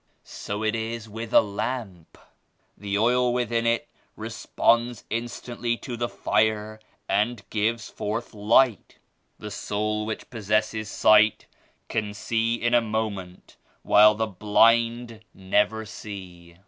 So it is with a lamp ; the oil within it re sponds instantly to the fire and gives forth light. The soul which possesses sight can see in a moment while the blind never see.